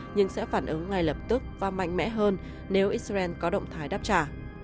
nhưng sẽ phản ứng ngay lập tức và mạnh mẽ hơn nếu israel có động thái đáp trả